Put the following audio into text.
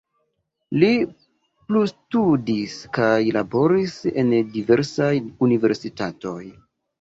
Li plustudis kaj laboris en diversaj universitatoj.